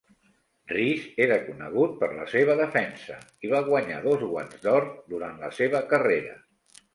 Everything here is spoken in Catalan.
Reese era conegut per la seva defensa, i va guanyar dos Guants d'Or durant la seva carrera.